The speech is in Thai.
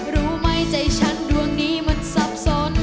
รู้ไหมใจฉันดวงนี้มันซับสน